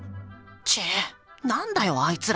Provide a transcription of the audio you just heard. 「ちぇっ、なんだよあいつら。